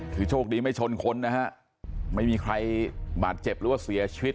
คือโชคดีไม่ชนคนนะฮะไม่มีใครบาดเจ็บหรือว่าเสียชีวิต